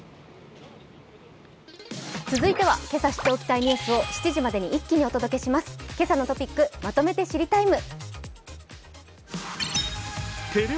続いてはけさ知っておきたいニュースをまとめてお伝えします「けさのトピックまとめて知りＴＩＭＥ，」。